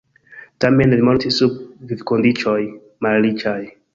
Tamen li mortis sub vivkondiĉoj malriĉaj.